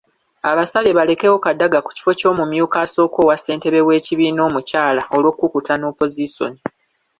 Abasabye balekewo Kadaga ku kifo ky’omumyuka asooka owa ssentebe w’ekibiina omukyala olw'okukuta ne Opozisoni.